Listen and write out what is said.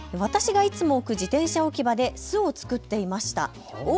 私がいつも置く自転車置き場で巣を作っていました。